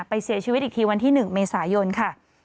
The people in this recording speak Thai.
เสียชีวิตอีกทีวันที่๑เมษายนค่ะ